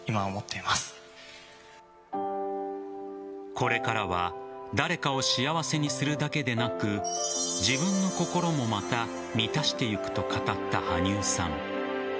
これからは誰かを幸せにするだけでなく自分の心もまた満たしていくと語った羽生さん。